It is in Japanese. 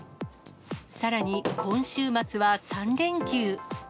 さらに、今週末は３連休。